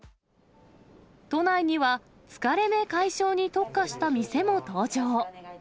都内には、疲れ目解消に特化した店も登場。